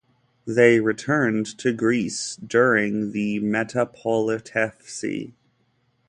They returned to Greece during the Metapolitefsi.